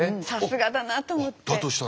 さすがだなと思って。